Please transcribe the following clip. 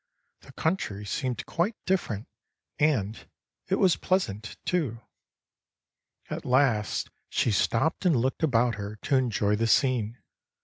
The country seemed quite different, and it was pleasant, too. At last she stopped and looked about her to enjoy the scene.